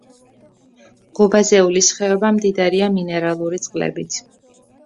გუბაზეულის ხეობა მდიდარია მინერალური წყლებით.